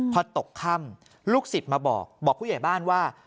พอตกค่ำลูกศิษย์มาบอกบอกผู้ใหญ่บ้านว่า